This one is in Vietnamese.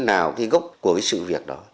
nào gốc của sự việc đó